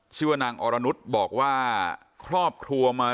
ชื่อว่านางอรนุษย์บอกว่าครอบครัวมา